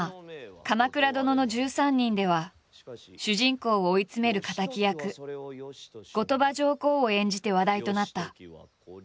「鎌倉殿の１３人」では主人公を追い詰める敵役後鳥羽上皇を演じて話題となった。